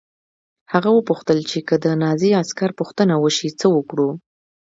هغه وپوښتل چې که د نازي عسکر پوښتنه وشي څه وکړو